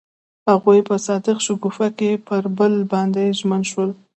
هغوی په صادق شګوفه کې پر بل باندې ژمن شول.